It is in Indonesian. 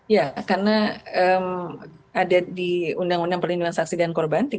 ya karena ada di undang undang perlindungan saksi dan korban tiga satu dua ribu empat belas